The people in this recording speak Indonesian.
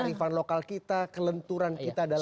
kearifan lokal kita kelenturan kita dalam